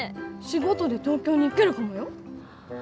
仕事で東京に行けるかもよ？